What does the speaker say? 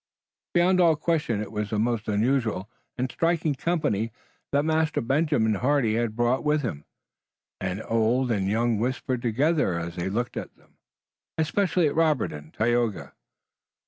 Beyond all question it was a most unusual and striking company that Master Benjamin Hardy had brought with him, and old and young whispered together as they looked at them, especially at Robert and Tayoga.